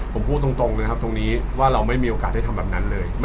ผมพูดตรงนะครับตรงนี้ว่าเราไม่มีโอกาสได้ทำแบบนั้นเลย